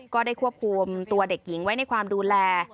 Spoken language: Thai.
ก็ได้ควบคุมตัวเด็กหญิงไว้ในความดูแล